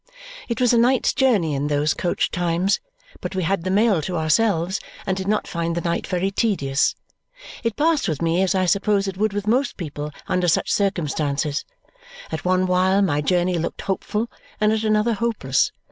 It was a night's journey in those coach times, but we had the mail to ourselves and did not find the night very tedious. It passed with me as I suppose it would with most people under such circumstances. At one while my journey looked hopeful, and at another hopeless.